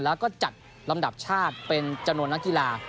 แล้วก็จัดลำดับชาติเป็นจำนวนนักกีฬา